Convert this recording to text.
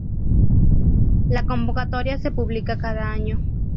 La convocatoria se publica cada año.